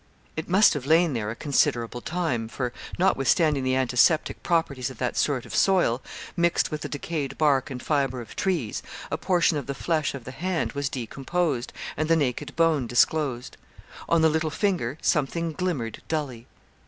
It must have lain there a considerable time, for, notwithstanding the antiseptic properties of that sort of soil, mixed with the decayed bark and fibre of trees, a portion of the flesh of the hand was decomposed, and the naked bone disclosed. On the little finger something glimmered dully.